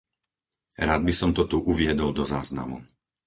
Rád by som to tu uviedol do záznamu.